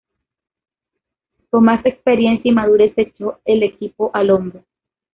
Con más experiencia y madurez se echó el equipo al hombro.